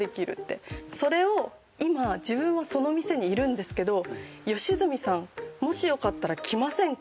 それを「今自分もその店にいるんですけど吉住さんもしよかったら来ませんか？」